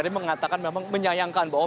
tadi mengatakan memang menyayangkan bahwa